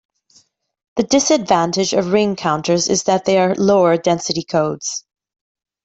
The disadvantage of ring counters is that they are lower density codes.